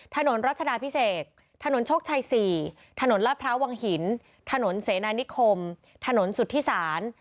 ถนนรัชดาพิเศษถนนโชคชัย๔ถนนลาดพร้าววังหินถนนเสนานิคมถนนสุธิศาล